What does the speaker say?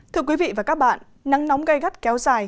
thưa quý vị và các bạn nắng nóng gây gắt kéo dài